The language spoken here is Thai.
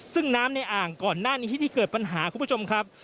ซึ่งน้ำในอ่างก่อนหน้านี้ที่นี่เกิดปัญหาคุณผู้ชมครับ